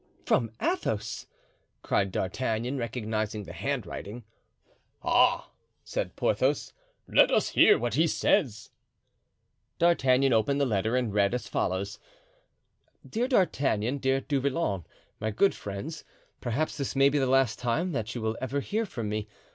"From Athos!" cried D'Artagnan, recognizing the handwriting. "Ah!" said Porthos, "let us hear what he says." D'Artagnan opened the letter and read as follows: "Dear D'Artagnan, dear Du Vallon, my good friends, perhaps this may be the last time that you will ever hear from me.